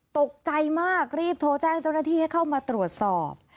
ตกใจมากรีบโทรแจ้งเจ้าหน้าที่ให้เข้ามาตรวจสอบ